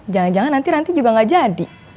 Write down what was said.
jangan jangan nanti ranti juga enggak jadi